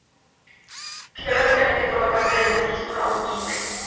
Geológicamente forma parte del macizo Haut-Giffre.